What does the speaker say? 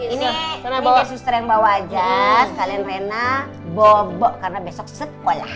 ini ini dari suster yang bawa aja sekalian rena bobo karena besok sekolah